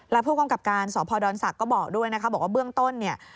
และผู้กำกับการศพดรศักดิ์ก็บอกด้วยบอกว่าเบื้องต้น